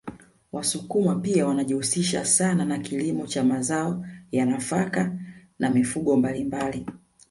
Wasukuma pia wanajihusisha sana na kilimo cha mazao ya nafaka na mifugo mbalimbali